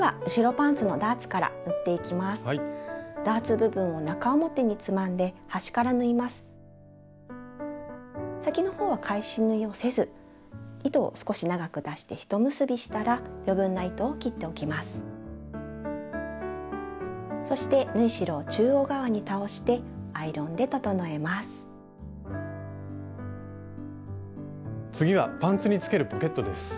次はパンツにつけるポケットです。